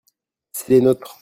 c'est les nôtres.